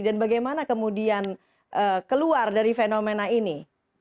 dan bagaimana kemudian keluar dari fenomena ini